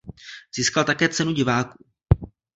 Získal také cenu diváků.